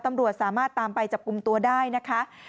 ตำรวจสามารถตามไปจับกลุ่มตัวได้นะคะ